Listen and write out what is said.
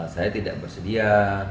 saya tidak bersedia